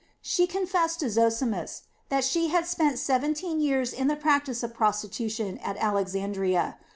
She confessed to Zosimus that she had spent seventeen years in the practice of prostitution at Alexandria.